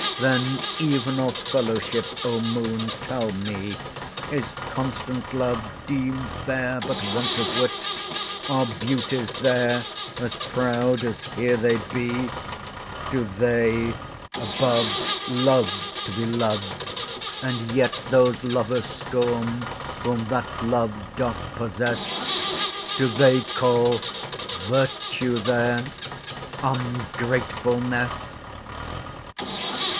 Then, even of fellowship, O Moon, tell me, Is constant love deem'd there but want of wit? Are beauties there as proud as here they be? Do they above love to be loved, and yet Those lovers scorn, whom that love doth possess? Do they call virtue there—ungratefulness!